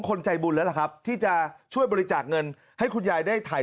ใจบุญแล้วล่ะครับที่จะช่วยบริจาคเงินให้คุณยายได้ถ่าย